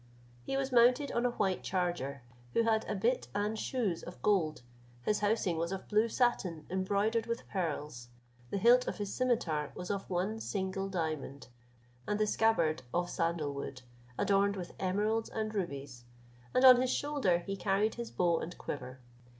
He was mounted on a white charger, who had a bit and shoes of gold, his housing was of blue satin embroidered with pearls; the hilt of his scimitar was of one single diamond, and the scabbard of sandal wood, adorned with emeralds and rubies, and on his shoulder he carried his bow and quiver.